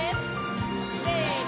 せの！